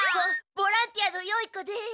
ボボランティアのよい子です！